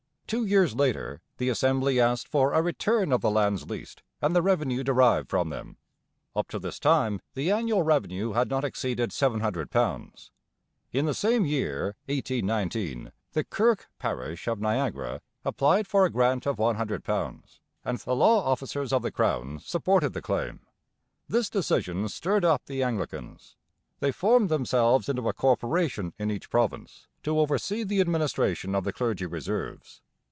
Two years later the Assembly asked for a return of the lands leased and the revenue derived from them. Up to this time the annual revenue had not exceeded £700. In the same year, 1819, the 'Kirk' parish of Niagara applied for a grant of £100, and the law officers of the Crown supported the claim. This decision stirred up the Anglicans. They formed themselves into a corporation in each province to oversee the administration of the Clergy Reserves.